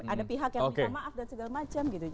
ada pihak yang minta maaf dan segala macam gitu